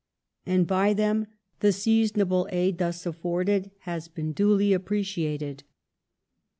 And by them the seasonable aid thus afforded has been duly appreciated.